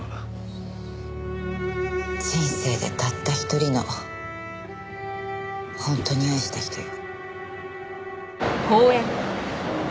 人生でたった一人の本当に愛した人よ。